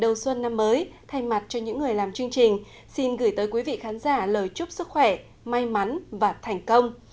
đầu xuân năm mới thay mặt cho những người làm chương trình xin gửi tới quý vị khán giả lời chúc sức khỏe may mắn và thành công